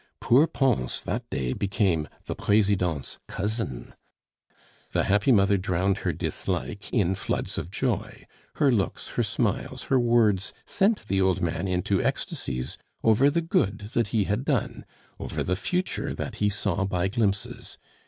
Poor Pons that day became the Presidente's cousin. The happy mother drowned her dislike in floods of joy; her looks, her smiles, her words sent the old man into ecstasies over the good that he had done, over the future that he saw by glimpses.